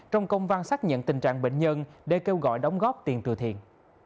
trong công văn xác nhận tình trạng bệnh nhân để kêu gọi đóng góp tiền từ thiện